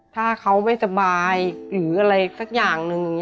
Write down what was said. ถ้าเขาไม่สบายหรืออะไรสักอย่างหนึ่ง